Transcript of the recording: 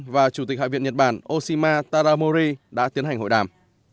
và chủ tịch hạ viện nhật bản oshima taramori đã tiến hành hội đàm